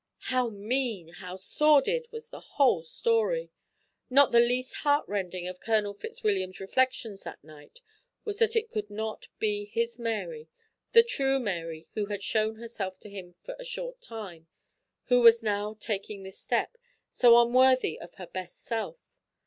How mean, how sordid was the whole story! Not the least heartrending of Colonel Fitzwilliam's reflections that night was that it could not be his Mary, the true Mary who had shown herself to him for a short time, who was now taking this step, so unworthy of her best self.